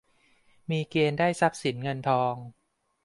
มีเกณฑ์ได้ทรัพย์สินเงินทอง